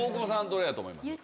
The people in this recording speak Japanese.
どれやと思います？